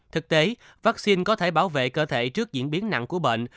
thực tế vaccine có thể bảo vệ cơ thể trước diễn biến nặng của bệnh